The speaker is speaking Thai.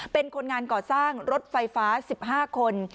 เป็นคนงานก่อสร้างรถไฟฟ้า๑๕คน